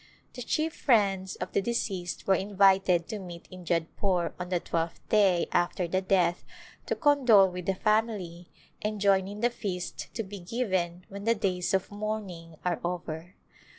The chief friends of the deceased were invited to meet in Jodh pore on the twelfth day after the death to condole with the family and join in the feast to be given when the days of mourning are over.